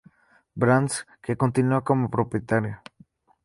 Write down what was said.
Brands, que continúa como propietario.